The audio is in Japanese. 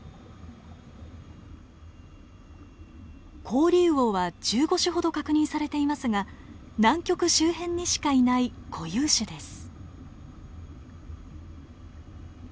コオリウオは１５種ほど確認されていますが南極周辺にしかいない固有種です。